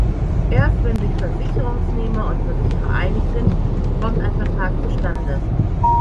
Erst wenn sich Versicherungsnehmer und Versicherer einig sind, kommt ein Vertrag zustande.